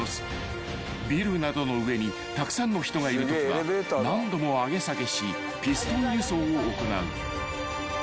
［ビルなどの上にたくさんの人がいるときは何度も上げ下げしピストン輸送を行う］